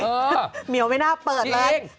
เหมียวไม่น่าเปิดเลย